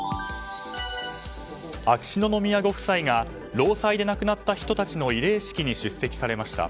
秋篠宮ご夫妻が労災で亡くなった人たちの慰霊式に出席されました。